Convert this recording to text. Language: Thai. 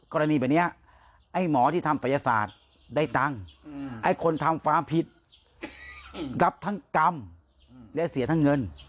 ก็จะทำแล้วเสียทั้งเงิน